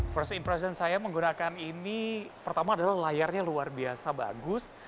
first impression saya menggunakan ini pertama adalah layarnya luar biasa bagus